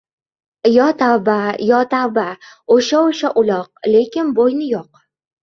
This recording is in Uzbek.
Yo, tavba, yo, tavba! O‘sha-o‘sha uloq. Lekin bo‘yni yo‘q!